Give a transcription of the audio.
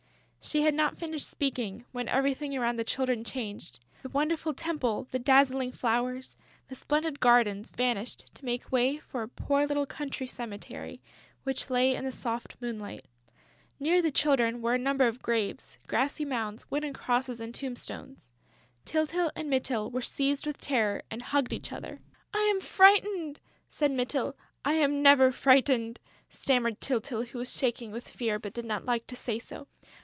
She had not finished speaking, when everything around the Children changed. The wonderful temple, the dazzling flowers, the splendid gardens vanished to make way for a poor little country cemetery, which lay in the soft moonlight. Near the Children were a number of graves, grassy mounds, wooden crosses and tombstones. Tyltyl and Mytyl were seized with terror and hugged each other: "I am frightened!" said Mytyl. "I am never frightened," stammered Tyltyl, who was shaking with fear, but did not like to say so.